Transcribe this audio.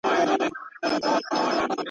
نه يوې خوا ته رهي سول ټول سرونه.